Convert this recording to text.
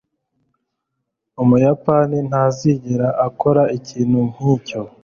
Umuyapani ntazigera akora ikintu nkicyo.